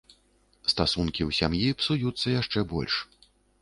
Стасункі ў сям'і псуюцца яшчэ больш.